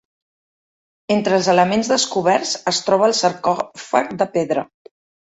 Entre els elements descoberts, es troba el sarcòfag de pedra.